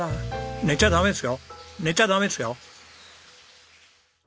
寝ちゃダメですよ。